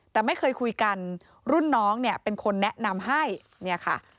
แต่ไม่เคยคุยกันรุ่นน้องเนี่ยเป็นคนแนะนำให้เนี่ยค่ะ